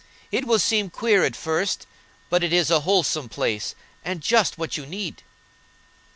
It will seem queer at first, but it is a wholesome place, and just what you need."